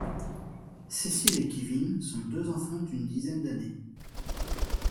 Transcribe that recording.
Cécile et Kevin sont deux enfants d'une dizaine d'années.